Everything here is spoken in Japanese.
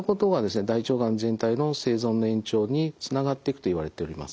大腸がん全体の生存の延長につながっていくといわれております。